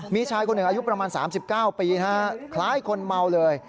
มีชายคนหนึ่งอายุประมาณ๓๙ปีคล้ายคนเมาเลย